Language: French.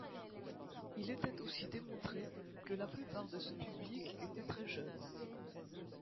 Il était aussi démontré que la plupart de ce public était très jeune.